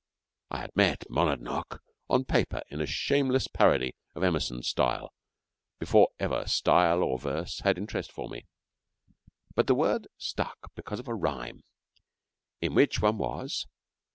I had met Monadnock on paper in a shameless parody of Emerson's style, before ever style or verse had interest for me. But the word stuck because of a rhyme, in which one was